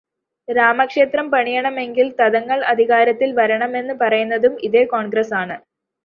രാമക്ഷേത്രം പണിയണമെങ്കില് തങ്ങള് അധികാരത്തില് വരണമെന്നു പറയുന്നതും ഇതേ കോണ്ഗ്രസ്സാണ്.